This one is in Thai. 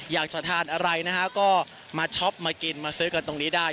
อยากจะทานอะไรนะฮะก็มาช็อปมากินมาซื้อกันตรงนี้ได้